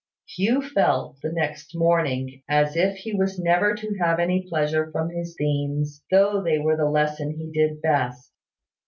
Hugh felt, the next morning, as if he was never to have any pleasure from his themes, though they were the lesson he did best.